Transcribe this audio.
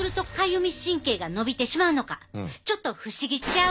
ちょっと不思議ちゃう？